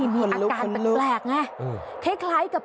มีอาการแปลกไง